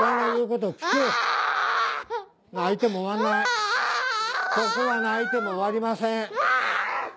ここは泣いても終わりません。